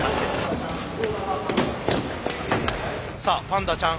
さあパンダちゃん